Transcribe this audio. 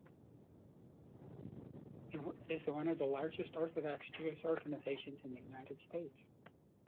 It is one of the largest Orthodox Jewish organizations in the United States.